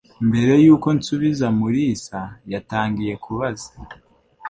Mbere yuko nsubiza Mulisa, yatangiye kubaza.